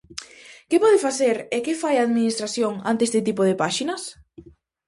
Que pode facer e que fai a administración ante este tipo de páxinas?